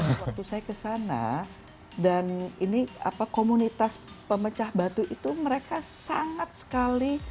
waktu saya kesana dan ini komunitas pemecah batu itu mereka sangat sekali